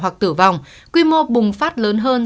hoặc tử vong quy mô bùng phát lớn hơn